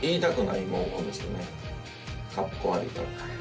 かっこ悪いから。